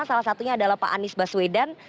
salah satunya adalah pak anies baswedan